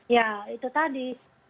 ya itu tadi